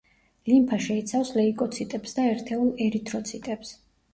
ლიმფა შეიცავს ლეიკოციტებს და ერთეულ ერითროციტებს.